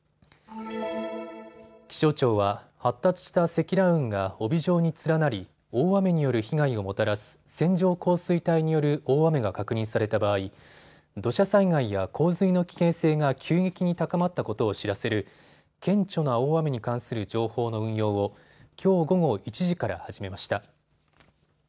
気象庁は発達した積乱雲が帯状に連なり、大雨による被害をもたらす線状降水帯による大雨が確認された場合、土砂災害や洪水の危険性が急激に高まったことを知らせる顕著な大雨に関する情報の運用をきょう午後１時から始めました。